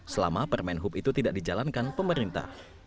selama permenhub itu tidak dijalankan pemerintah